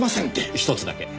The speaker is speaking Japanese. １つだけ。